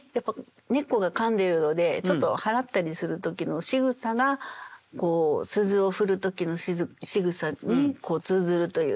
根っこがかんでるのでちょっと払ったりする時のしぐさが鈴を振る時のしぐさに通ずるというか。